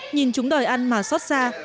nhìn chúng đòi ăn mà xót xa